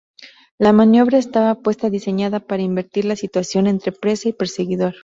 La maniobra estaba pues diseñada para invertir la situación entre presa y perseguidor.